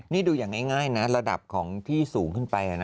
นี่ดูอย่างง่ายนะระดับของที่สูงขึ้นไป